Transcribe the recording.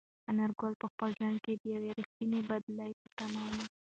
انارګل په خپل ژوند کې د یوې رښتینې بدلې په تمه و.